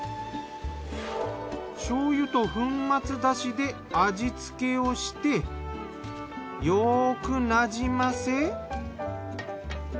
醤油と粉末だしで味付けをしてよくなじませ。